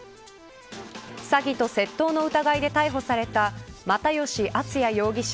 詐欺と窃盗の疑いで逮捕された又吉淳哉容疑者